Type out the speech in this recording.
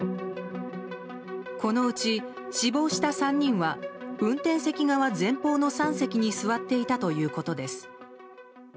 このうち、死亡した３人は運転席側前方の３席に座っていたということです。